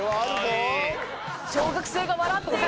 小学生が笑っている！